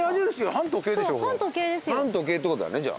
反時計ってことだねじゃあ。